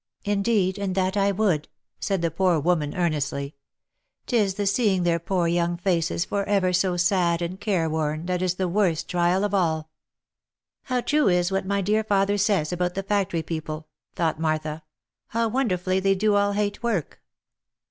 " Indeed, and that I would," said the poor woman, earnestly. " Tis the seeing their poor young faces for ever so sad and care worn, that is the worst trial of all." " How true is what my dear father says about the factory people," thought Martha —" how wonderfully they do all hate work